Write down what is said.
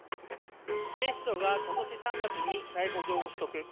警視庁が今年３月に逮捕状を取得。